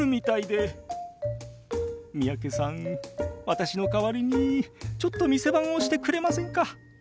私の代わりにちょっと店番をしてくれませんか？